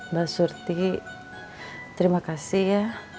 mbak surti terima kasih ya